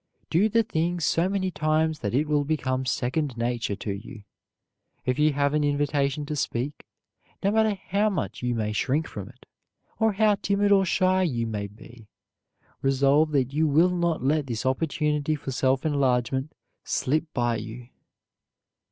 Do the thing so many times that it will become second nature to you. If you have an invitation to speak, no matter how much you may shrink from it, or how timid or shy you may be, resolve that you will not let this opportunity for self enlargement slip by you.